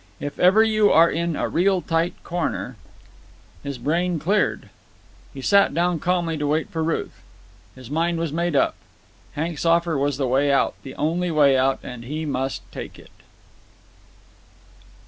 "If ever you are in a real tight corner——" His brain cleared. He sat down calmly to wait for Ruth. His mind was made up. Hank's offer was the way out, the only way out, and he must take it.